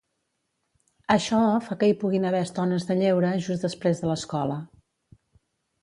Això fa que hi puguin haver estones de lleure just després de l'escola.